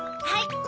はい！